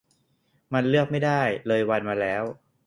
มันเลือกไม่ได้ เลยวันมาแล้ว